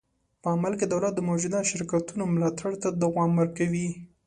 په عمل کې دولت د موجوده شرکتونو ملاتړ ته دوام ورکوي.